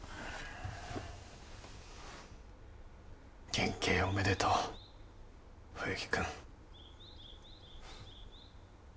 減刑おめでとう冬木君。